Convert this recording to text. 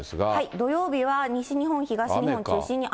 土曜日は西日本、東日本中心に雨。